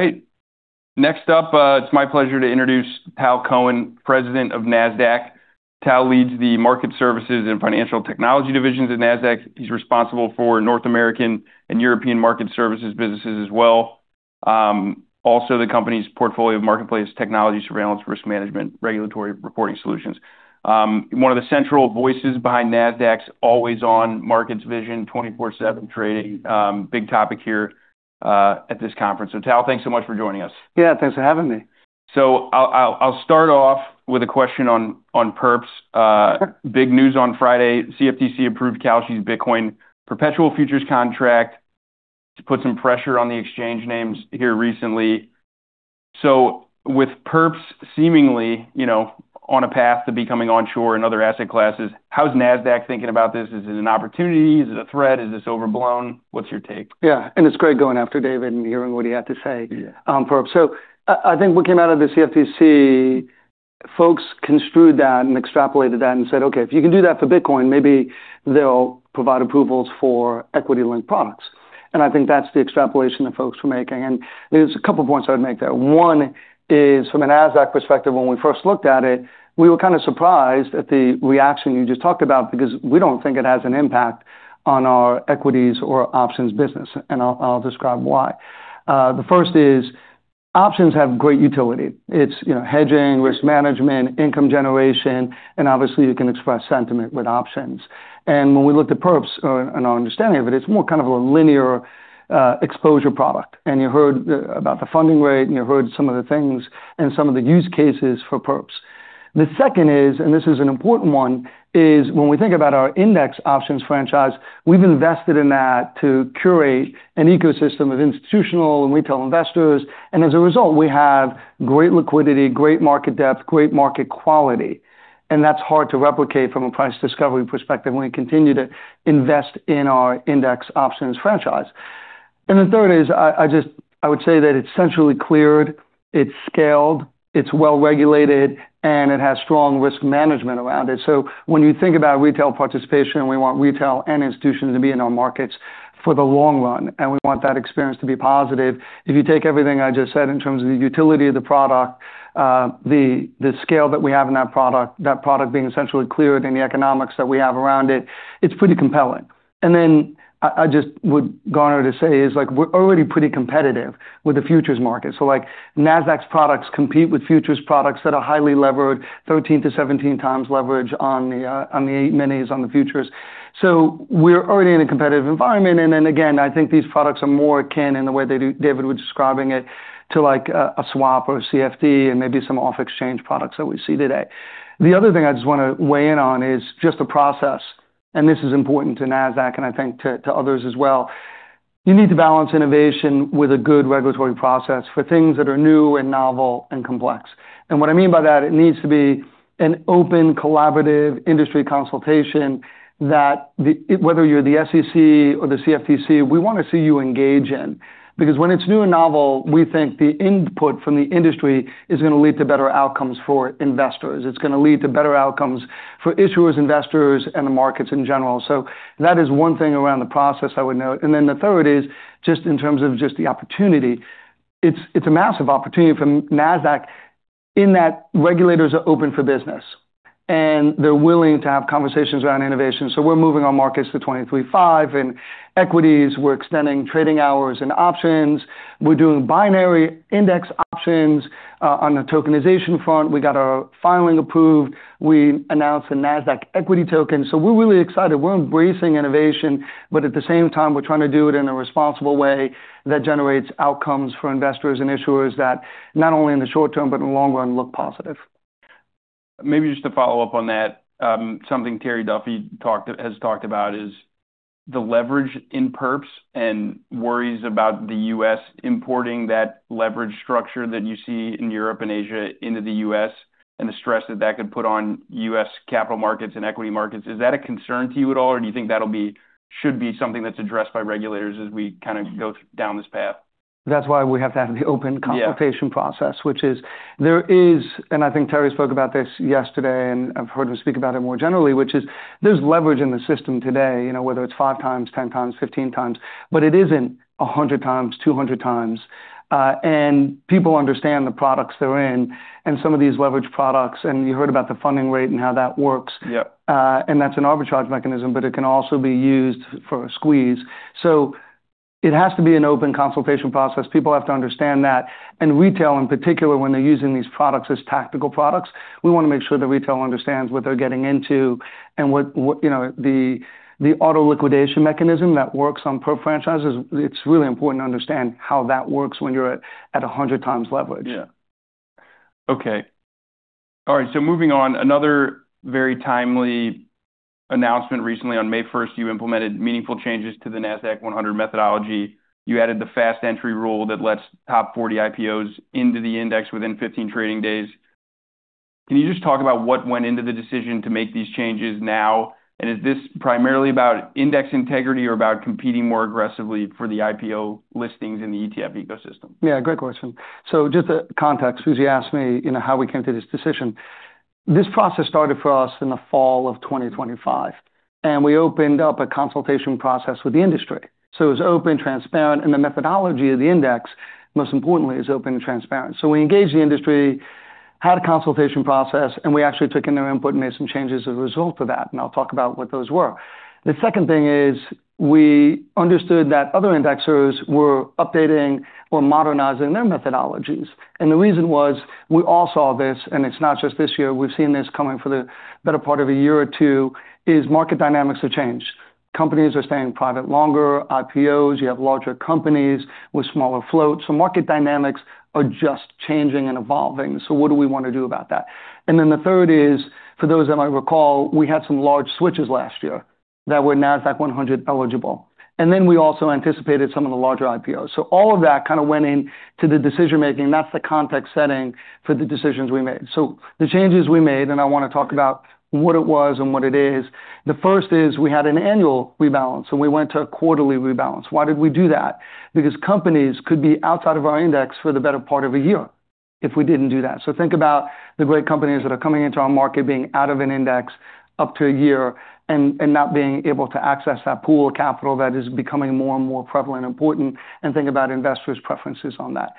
All right. Next up, it's my pleasure to introduce Tal Cohen, President of Nasdaq. Tal leads the market services and financial technology divisions at Nasdaq. He's responsible for North American and European market services businesses as well. Also, the company's portfolio of marketplace technology, surveillance, risk management, regulatory, reporting solutions. One of the central voices behind Nasdaq's always-on markets vision 24/7 trading. Big topic here at this conference. Tal, thanks so much for joining us. Yeah, thanks for having me. I'll start off with a question on perps. Big news on Friday, CFTC approved Cboe's Bitcoin perpetual futures contract to put some pressure on the exchange names here recently. With perps seemingly on a path to becoming onshore in other asset classes, how is Nasdaq thinking about this? Is it an opportunity? Is it a threat? Is this overblown? What's your take? Yeah. It's great going after David and hearing what he had to say, on perps. I think what came out of the CFTC, folks construed that and extrapolated that and said, "Okay, if you can do that for Bitcoin, maybe they'll provide approvals for equity linked products." I think that's the extrapolation that folks were making. There's a couple points I would make there. One is from a Nasdaq perspective, when we first looked at it, we were kind of surprised at the reaction you just talked about because we don't think it has an impact on our equities or options business. I'll describe why. The first is options have great utility. It's hedging, risk management, income generation, and obviously you can express sentiment with options. When we looked at perps or our understanding of it's more kind of a linear exposure product. You heard about the funding rate, and you heard some of the things and some of the use cases for perps. The second is, and this is an important one, is when we think about our index options franchise, we've invested in that to curate an ecosystem of institutional and retail investors. As a result, we have great liquidity, great market depth, great market quality, and that's hard to replicate from a price discovery perspective when we continue to invest in our index options franchise. The third is, I would say that it's centrally cleared, it's scaled, it's well-regulated, and it has strong risk management around it. When you think about retail participation, we want retail and institutions to be in our markets for the long run, and we want that experience to be positive. If you take everything I just said in terms of the utility of the product, the scale that we have in that product, that product being essentially cleared and the economics that we have around it's pretty compelling. I just would garner to say is like we're already pretty competitive with the futures market. Like Nasdaq's products compete with futures products that are highly levered, 13 to 17 times leverage on the E-minis, on the futures. We're already in a competitive environment. Again, I think these products are more akin in the way David was describing it to like a swap or a CFD and maybe some off-exchange products that we see today. The other thing I just want to weigh in on is just the process, and this is important to Nasdaq, and I think to others as well. You need to balance innovation with a good regulatory process for things that are new and novel and complex. What I mean by that, it needs to be an open, collaborative industry consultation that whether you're the SEC or the CFTC, we want to see you engage in. When it's new and novel, we think the input from the industry is going to lead to better outcomes for investors. It's going to lead to better outcomes for issuers, investors, and the markets in general. That is one thing around the process I would note. Then the third is just in terms of just the opportunity. It's a massive opportunity for Nasdaq in that regulators are open for business, and they're willing to have conversations around innovation. We're moving our markets to 23/5 in equities. We're extending trading hours and options. We're doing binary index options. On the tokenization front, we got our filing approved. We announced a Nasdaq equity token. We're really excited. We're embracing innovation, but at the same time, we're trying to do it in a responsible way that generates outcomes for investors and issuers that not only in the short term, but in the long run, look positive. Maybe just to follow up on that. Something Terry Duffy has talked about is the leverage in perps and worries about the U.S. importing that leverage structure that you see in Europe and Asia into the U.S., and the stress that that could put on U.S. capital markets and equity markets. Is that a concern to you at all, or do you think that should be something that's addressed by regulators as we kind of go down this path? That's why we have to have the open consultation process. There is, and I think Terry spoke about this yesterday, and I've heard him speak about it more generally, which is there's leverage in the system today whether it's five times, 10 times, 15 times, but it isn't 100 times, 200 times. People understand the products they're in and some of these leverage products, and you heard about the funding rate and how that works. That's an arbitrage mechanism, but it can also be used for a squeeze. It has to be an open consultation process. People have to understand that. Retail, in particular, when they're using these products as tactical products, we want to make sure the retail understands what they're getting into and what the auto liquidation mechanism that works on perp franchises. It's really important to understand how that works when you're at 100 times leverage. Yeah. Okay. All right, moving on. Another very timely announcement recently on May 1st, you implemented meaningful changes to the Nasdaq 100 methodology. You added the fast entry rule that lets top 40 IPOs into the index within 15 trading days. Can you just talk about what went into the decision to make these changes now, and is this primarily about index integrity or about competing more aggressively for the IPO listings in the ETF ecosystem? Yeah, great question. Just the context, Susie asked me how we came to this decision. This process started for us in the fall of 2025, and we opened up a consultation process with the industry. It was open, transparent, and the methodology of the index, most importantly, is open and transparent. We engaged the industry, had a consultation process, and we actually took in their input and made some changes as a result of that, and I'll talk about what those were. The second thing is we understood that other indexers were updating or modernizing their methodologies. The reason was we all saw this, and it's not just this year, we've seen this coming for the better part of a year or two, is market dynamics have changed. Companies are staying private longer. IPOs, you have larger companies with smaller floats. Market dynamics are just changing and evolving. What do we want to do about that? The third is, for those that might recall, we had some large switches last year that were Nasdaq-100 eligible. We also anticipated some of the larger IPOs. All of that kind of went into the decision-making, and that's the context-setting for the decisions we made. The changes we made, and I want to talk about what it was and what it is. The first is we had an annual rebalance, and we went to a quarterly rebalance. Why did we do that? Because companies could be outside of our index for the better part of a year if we didn't do that. Think about the great companies that are coming into our market being out of an index up to a year and not being able to access that pool of capital that is becoming more and more prevalent and important, and think about investors' preferences on that.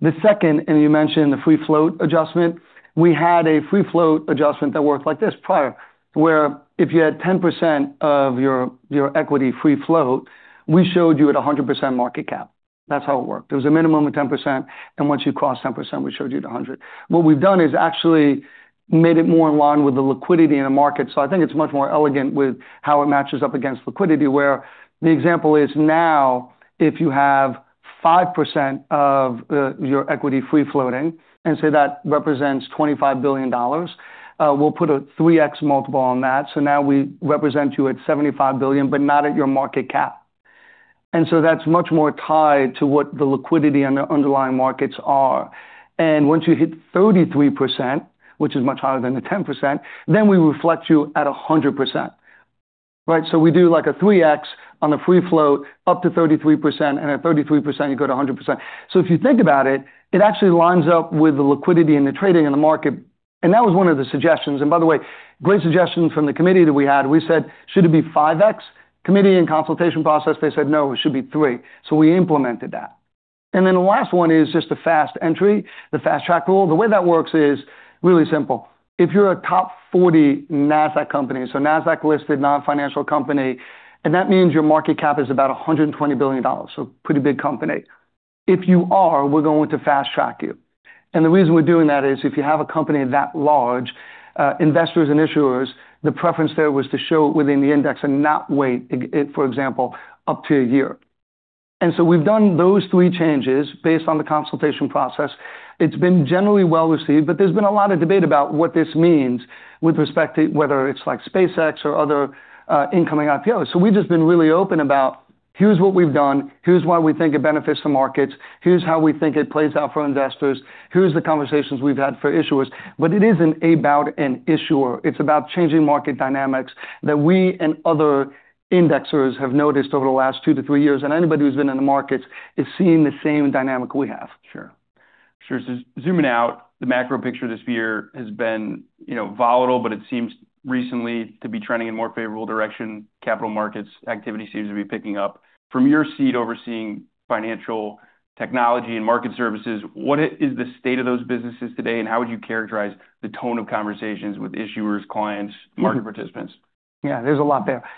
The second, you mentioned the free float adjustment. We had a free float adjustment that worked like this prior, where if you had 10% of your equity free float, we showed you at 100% market cap. That's how it worked. There was a minimum of 10%, and once you crossed 10%, we showed you the 100. What we've done is actually made it more in line with the liquidity in the market. I think it's much more elegant with how it matches up against liquidity, where the example is now, if you have 5% of your equity free floating, and say that represents $25 billion, we'll put a 3X multiple on that. Now we represent you at $75 billion, but not at your market cap. That's much more tied to what the liquidity and the underlying markets are. Once you hit 33%, which is much higher than the 10%, then we reflect you at 100%. Right? We do like a 3X on the free float up to 33%, and at 33%, you go to 100%. If you think about it actually lines up with the liquidity and the trading in the market. That was one of the suggestions. By the way, great suggestion from the committee that we had. We said, "Should it be 5X?" Committee and consultation process, they said, "No, it should be three." We implemented that. The last one is just the fast entry, the Fast Entry rule. The way that works is really simple. If you're a top 40 Nasdaq company, so Nasdaq-listed non-financial company, and that means your market cap is about $120 billion. Pretty big company. If you are, we're going to fast track you. The reason we're doing that is if you have a company that large, investors and issuers, the preference there was to show it within the index and not wait, for example, up to a year. We've done those three changes based on the consultation process. It's been generally well-received, but there's been a lot of debate about what this means with respect to whether it's SpaceX or other incoming IPOs. We've just been really open about, here's what we've done, here's why we think it benefits the markets, here's how we think it plays out for investors, here's the conversations we've had for issuers. It isn't about an issuer. It's about changing market dynamics that we and other indexers have noticed over the last two to three years. Anybody who's been in the markets is seeing the same dynamic we have. Sure. Sure. Zooming out, the macro picture this year has been volatile, but it seems recently to be trending in more favorable direction. Capital markets activity seems to be picking up. From your seat overseeing financial technology and market services, what is the state of those businesses today, and how would you characterize the tone of conversations with issuers, clients, market participants? Yeah, there's a lot there.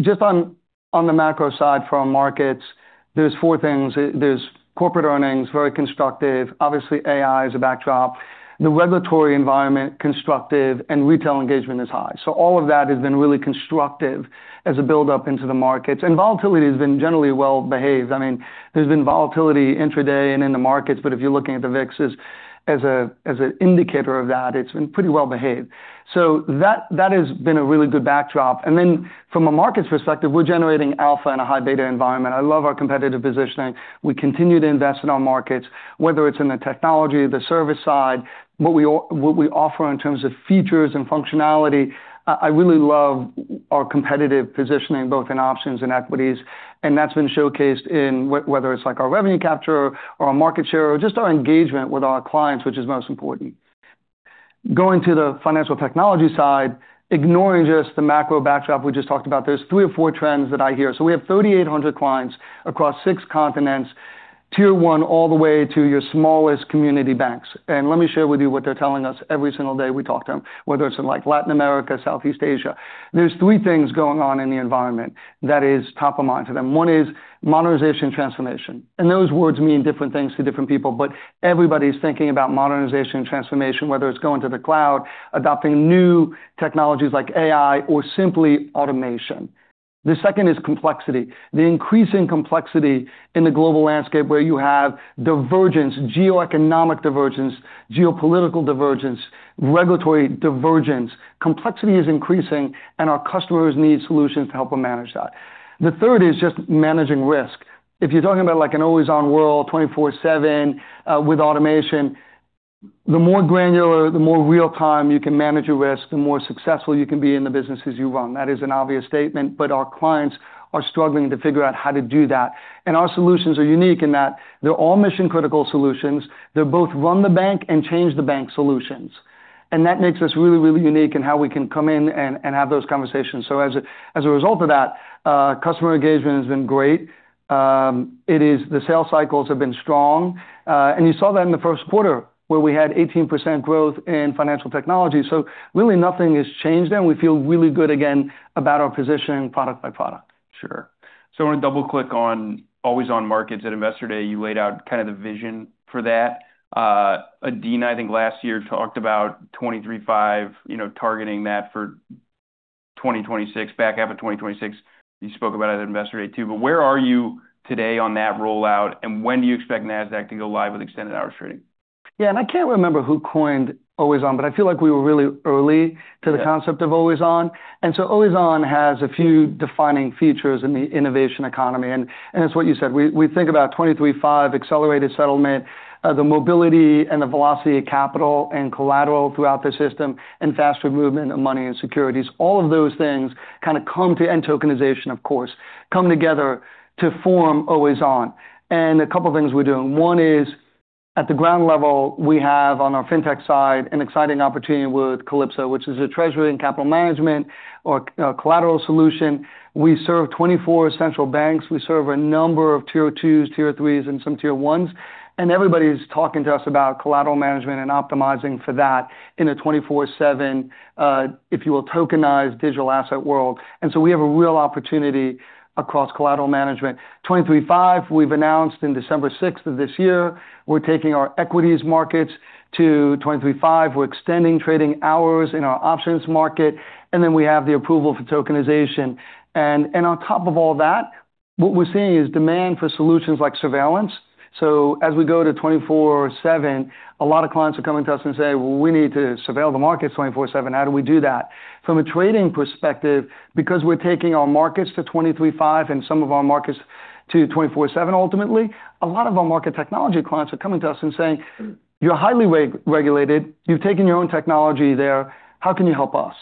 Just on the macro side for our markets, there's four things. There's corporate earnings, very constructive. Obviously, AI is a backdrop. The regulatory environment, constructive, and retail engagement is high. All of that has been really constructive as a build-up into the markets. Volatility has been generally well-behaved. There's been volatility intraday and in the markets, but if you're looking at the VIX as an indicator of that, it's been pretty well-behaved. That has been a really good backdrop. From a markets perspective, we're generating alpha in a high beta environment. I love our competitive positioning. We continue to invest in our markets, whether it's in the technology, the service side, what we offer in terms of features and functionality. I really love our competitive positioning, both in options and equities, and that's been showcased in whether it's our revenue capture or our market share or just our engagement with our clients, which is most important. Going to the financial technology side, ignoring just the macro backdrop we just talked about, there's three or four trends that I hear. We have 3,800 clients across six continents, Tier 1, all the way to your smallest community banks. Let me share with you what they're telling us every single day we talk to them, whether it's in Latin America, Southeast Asia. There's three things going on in the environment that is top of mind for them. One is modernization transformation. Those words mean different things to different people, but everybody's thinking about modernization and transformation, whether it's going to the cloud, adopting new technologies like AI, or simply automation. The second is complexity, the increasing complexity in the global landscape where you have divergence, geoeconomic divergence, geopolitical divergence, regulatory divergence. Complexity is increasing, and our customers need solutions to help them manage that. The third is just managing risk. If you're talking about an always-on world, 24/7, with automation, the more granular, the more real-time you can manage your risk, the more successful you can be in the businesses you run. That is an obvious statement, but our clients are struggling to figure out how to do that. Our solutions are unique in that they're all mission-critical solutions. They're both run the bank and change the bank solutions. That makes us really, really unique in how we can come in and have those conversations. As a result of that, customer engagement has been great. The sales cycles have been strong. You saw that in the first quarter where we had 18% growth in financial technology. Really nothing has changed there, and we feel really good again about our position product by product. Sure. I want to double-click on always-on markets. At Investor Day, you laid out kind of the vision for that. Adena, I think last year, talked about 23/5, targeting that for back half of 2026. You spoke about it at Investor Day too. Where are you today on that rollout, and when do you expect Nasdaq to go live with extended hours trading? Yeah. I can't remember who coined always-on, but I feel like we were really early to the concept of Always On. Always On has a few defining features in the innovation economy, and it's what you said. We think about 23/5 accelerated settlement, the mobility and the velocity of capital and collateral throughout the system, and faster movement of money and securities. All of those things kind of come to and tokenization, of course, come together to form Always On. A couple of things we're doing. One is, at the ground level, we have on our fintech side, an exciting opportunity with Calypso, which is a treasury and capital management or a collateral solution. We serve 24 central banks. We serve a number of Tier 2s, Tier 3s, and some Tier 1s. Everybody's talking to us about collateral management and optimizing for that in a 24/7, if you will, tokenized digital asset world. We have a real opportunity across collateral management. 23/5, we've announced in December 6th of this year, we're taking our equities markets to 23/5. We're extending trading hours in our options market. We have the approval for tokenization. On top of all that, what we're seeing is demand for solutions like surveillance. As we go to 24/7, a lot of clients are coming to us and saying, "Well, we need to surveil the markets 24/7. How do we do that?" From a trading perspective, because we're taking our markets to 23/5 and some of our markets to 24/7, ultimately, a lot of our market technology clients are coming to us and saying, "You're highly regulated. You've taken your own technology there. How can you help us?"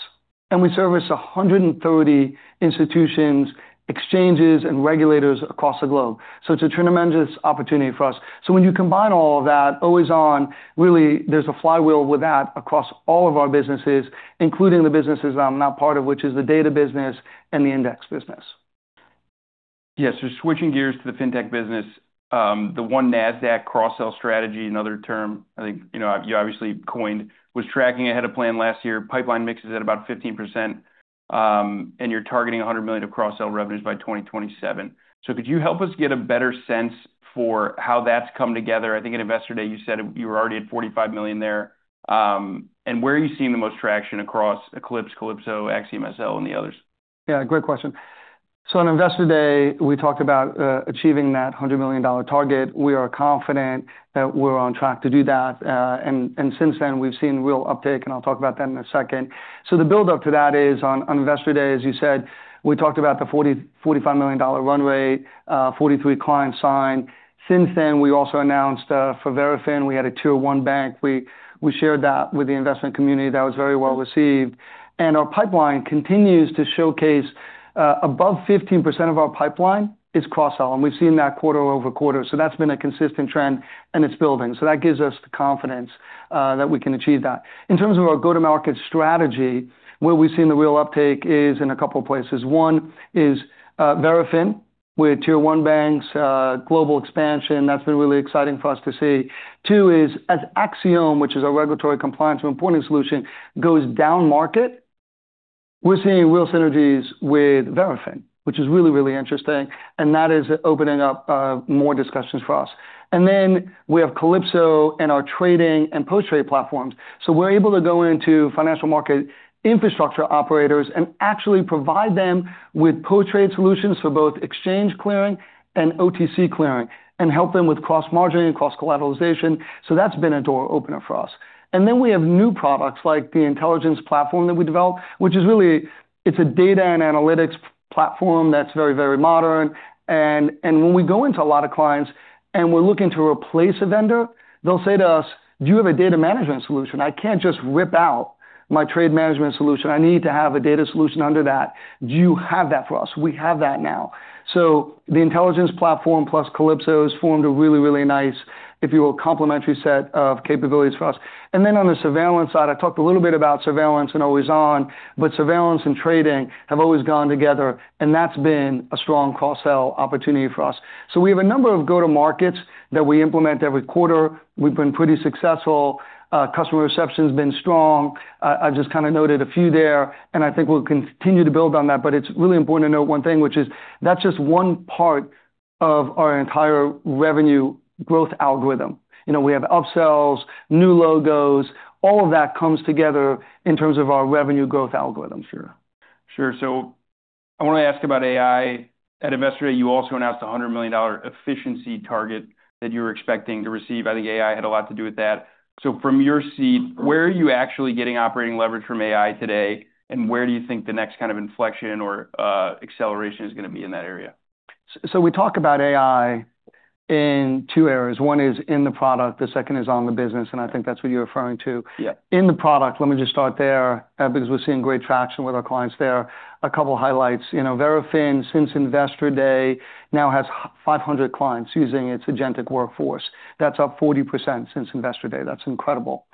We service 130 institutions, exchanges, and regulators across the globe. It's a tremendous opportunity for us. When you combine all of that, Always On, really, there's a flywheel with that across all of our businesses, including the businesses that I'm now part of, which is the data business and the index business. Yeah. Switching gears to the fintech business, the One Nasdaq cross-sell strategy, another term, I think, you obviously coined, was tracking ahead of plan last year. Pipeline mix is at about 15%, and you're targeting $100 million of cross-sell revenues by 2027. Could you help us get a better sense for how that's come together? I think at Investor Day, you said you were already at $45 million there. Where are you seeing the most traction across Eqlipse, Calypso, AxiomSL, and the others? Great question. On Investor Day, we talked about achieving that $100 million target. We are confident that we're on track to do that. Since then, we've seen real uptick, and I'll talk about that in a second. The buildup to that is on Investor Day, as you said, we talked about the $45 million run rate, 43 clients signed. Since then, we also announced for Verafin, we had a Tier 1 bank. We shared that with the investment community. That was very well-received. Our pipeline continues to showcase above 15% of our pipeline is cross-sell, and we've seen that quarter-over-quarter. That's been a consistent trend, and it's building. That gives us the confidence that we can achieve that. In terms of our go-to-market strategy, where we've seen the real uptake is in a couple of places. One is Verafin with Tier 1 banks, global expansion. That's been really exciting for us to see. Two is as Axiom, which is our regulatory compliance and reporting solution, goes down market, we're seeing real synergies with Verafin, which is really interesting, and that is opening up more discussions for us. Then we have Calypso and our trading and post-trade platforms. We're able to go into financial market infrastructure operators and actually provide them with post-trade solutions for both exchange clearing and OTC clearing, and help them with cross-margining and cross-collateralization. Then we have new products like the intelligence platform that we developed, which is really, it's a data and analytics platform that's very modern. When we go into a lot of clients and we're looking to replace a vendor, they'll say to us, "Do you have a data management solution? I can't just rip out my trade management solution. I need to have a data solution under that. Do you have that for us?" We have that now. The intelligence platform plus Calypso has formed a really, really nice, if you will, complementary set of capabilities for us. On the surveillance side, I talked a little bit about surveillance and always-on, but surveillance and trading have always gone together, and that's been a strong cross-sell opportunity for us. We have a number of go-to markets that we implement every quarter. We've been pretty successful. Customer reception's been strong. I've just kind of noted a few there, and I think we'll continue to build on that. It's really important to note one thing, which is that's just one part of our entire revenue growth algorithm. We have upsells, new logos. All of that comes together in terms of our revenue growth algorithm. Sure. I want to ask about AI. At Investor Day, you also announced a $100 million efficiency target that you were expecting to receive. I think AI had a lot to do with that. From your seat, where are you actually getting operating leverage from AI today, and where do you think the next kind of inflection or acceleration is going to be in that area? We talk about AI in two areas. One is in the product, the second is on the business, and I think that's what you're referring to. In the product, let me just start there because we're seeing great traction with our clients there. A couple highlights. Verafin, since Investor Day, now has 500 clients using its agentic workforce. That's up 40% since Investor Day. That's incredible.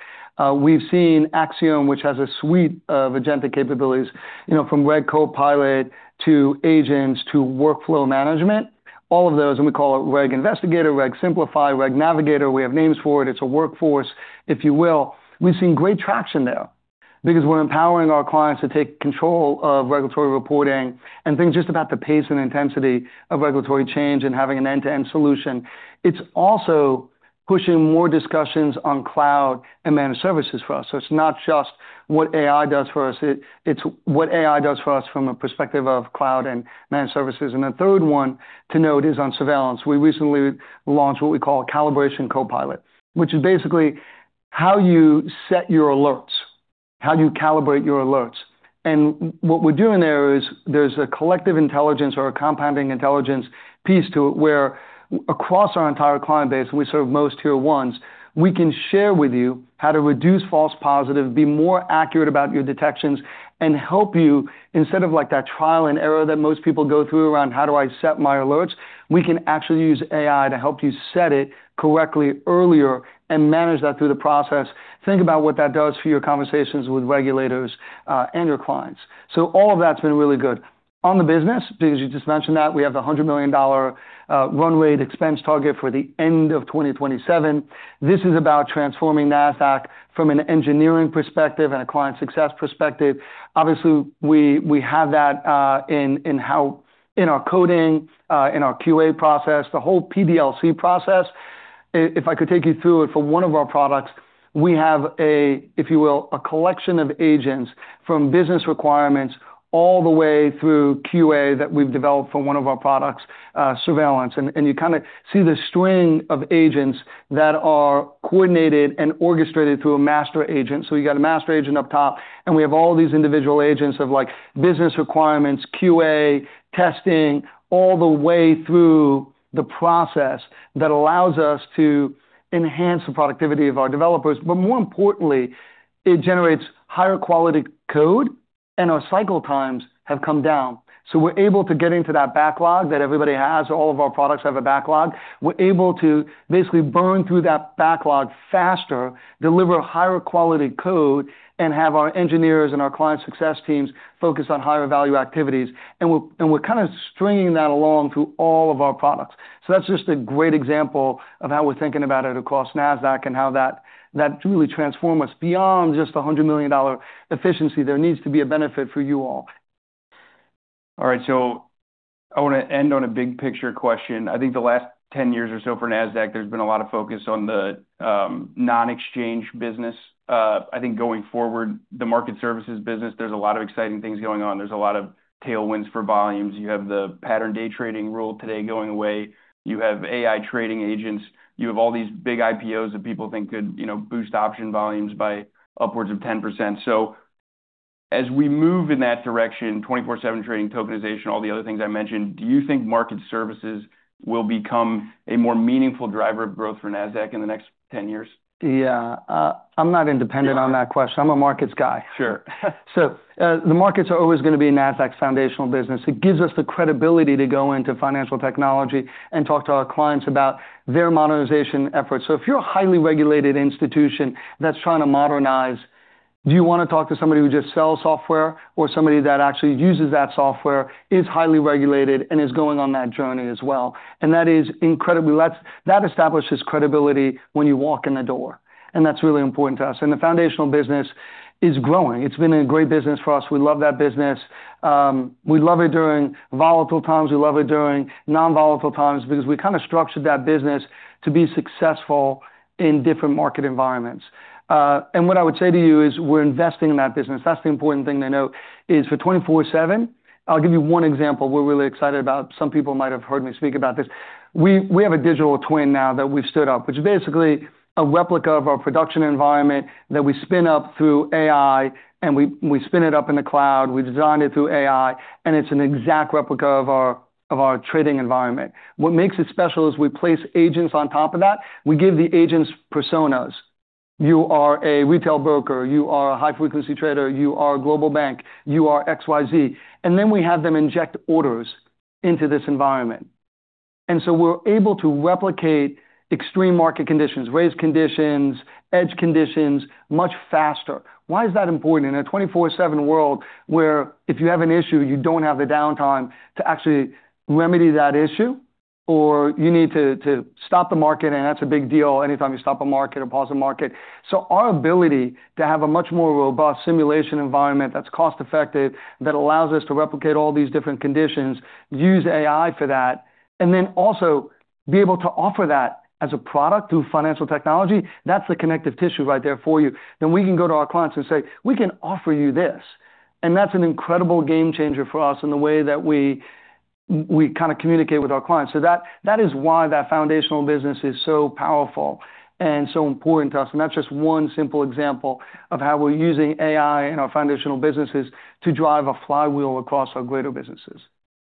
We've seen Axiom, which has a suite of agentic capabilities, from Reg-Copilot to agents to workflow management, all of those, and we call it Reg Investigator, Reg Simplify, RegNavigator. We have names for it. It's a workforce, if you will. We've seen great traction there because we're empowering our clients to take control of regulatory reporting and think just about the pace and intensity of regulatory change and having an end-to-end solution. It's also pushing more discussions on cloud and managed services for us. It's not just what AI does for us, it's what AI does for us from a perspective of cloud and managed services. A third one to note is on surveillance. We recently launched what we call a Calibration CoPilot, which is basically how you set your alerts, how you calibrate your alerts. What we're doing there is there's a collective intelligence or a compounding intelligence piece to it, where across our entire client base, and we serve most Tier 1s, we can share with you how to reduce false positive, be more accurate about your detections, and help you instead of that trial and error that most people go through around how do I set my alerts. We can actually use AI to help you set it correctly earlier and manage that through the process. Think about what that does for your conversations with regulators, and your clients. All of that's been really good. On the business, because you just mentioned that, we have the $100 million run rate to expense target for the end of 2027. This is about transforming Nasdaq from an engineering perspective and a client success perspective. Obviously, we have that in our coding, in our QA process, the whole SDLC process. If I could take you through it for one of our products, we have a, if you will, a collection of agents from business requirements all the way through QA that we've developed for one of our products, Surveillance. You kind of see the string of agents that are coordinated and orchestrated through a master agent. You got a master agent up top, and we have all these individual agents of business requirements, QA, testing, all the way through the process that allows us to enhance the productivity of our developers. More importantly, it generates higher quality code, and our cycle times have come down. We're able to get into that backlog that everybody has. All of our products have a backlog. We're able to basically burn through that backlog faster, deliver higher quality code, and have our engineers and our client success teams focus on higher value activities. We're kind of stringing that along through all of our products. That's just a great example of how we're thinking about it across Nasdaq and how that truly transform us beyond just the $100 million efficiency. There needs to be a benefit for you all. All right. I want to end on a big picture question. I think the last 10 years or so for Nasdaq, there has been a lot of focus on the non-exchange business. I think going forward, the market services business, there is a lot of exciting things going on. There is a lot of tailwinds for volumes. You have the pattern day trading rule today going away. You have AI trading agents. You have all these big IPOs that people think could boost option volumes by upwards of 10%. As we move in that direction, 24/7 trading, tokenization, all the other things I mentioned, do you think market services will become a more meaningful driver of growth for Nasdaq in the next 10 years? Yeah. I'm not independent on that question. I'm a markets guy. Sure. The markets are always going to be Nasdaq's foundational business. It gives us the credibility to go into financial technology and talk to our clients about their modernization efforts. If you're a highly regulated institution that's trying to modernize, do you want to talk to somebody who just sells software or somebody that actually uses that software, is highly regulated, and is going on that journey as well? That establishes credibility when you walk in the door, and that's really important to us. The foundational business is growing. It's been a great business for us. We love that business. We love it during volatile times. We love it during non-volatile times because we structured that business to be successful in different market environments. What I would say to you is we're investing in that business. That's the important thing to note is for 24/7, I'll give you one example we're really excited about. Some people might have heard me speak about this. We have a digital twin now that we've stood up, which is basically a replica of our production environment that we spin up through AI, and we spin it up in the cloud, we design it through AI, and it's an exact replica of our trading environment. What makes it special is we place agents on top of that. We give the agents personas. You are a retail broker. You are a high-frequency trader. You are a global bank. You are XYZ. Then we have them inject orders into this environment. So we're able to replicate extreme market conditions, race conditions, edge conditions, much faster. Why is that important? In a 24/7 world, where if you have an issue, you don't have the downtime to actually remedy that issue, or you need to stop the market, and that's a big deal anytime you stop a market or pause a market. Our ability to have a much more robust simulation environment that's cost-effective, that allows us to replicate all these different conditions, use AI for that, and also be able to offer that as a product through financial technology, that's the connective tissue right there for you. We can go to our clients and say, "We can offer you this." That's an incredible game changer for us in the way that we kind of communicate with our clients. That is why that foundational business is so powerful and so important to us. That's just one simple example of how we're using AI in our foundational businesses to drive a flywheel across our greater businesses.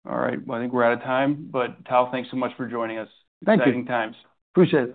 All right. Well, I think we're out of time, but Tal, thanks so much for joining us. Thank you. Exciting times. Appreciate it.